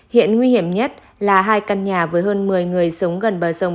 hiện nguy hiểm nhất là hai căn nhà với hơn một mươi người sống gần bờ sông